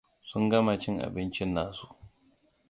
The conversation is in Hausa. Sun gama cin abincin nasu.